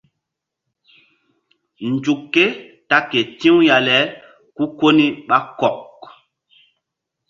Nzuk ké ta ke ti̧w ya le ku koni ɓa kɔk.